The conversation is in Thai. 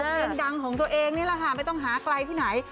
เพลงดังของตัวเองนี่แหละค่ะไม่ต้องหาไกลที่ไหน